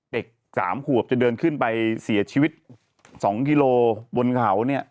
เด็ก๓ขวบจะเดินขึ้นไปเสียชีวิต๒กิโลบนเขาเนี่ย